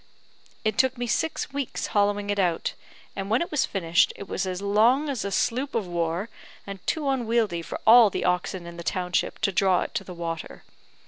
It took me six weeks hollowing it out, and when it was finished, it was as long as a sloop of war, and too unwieldy for all the oxen in the township to draw it to the water.